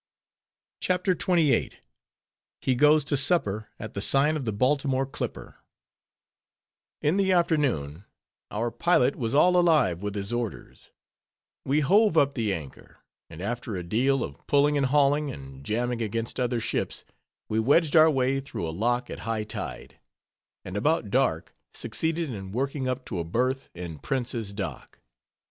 CHAPTER XXVIII. HE GOES TO SUPPER AT THE SIGN OF THE BALTIMORE CLIPPER In the afternoon our pilot was all alive with his orders; we hove up the anchor, and after a deal of pulling, and hauling, and jamming against other ships, we wedged our way through a lock at high tide; and about dark, succeeded in working up to a berth in _Prince's Dock.